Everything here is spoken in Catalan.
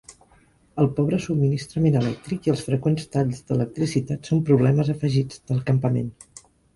El pobre subministrament elèctric i els freqüents talls d'electricitat són problemes afegits del campament.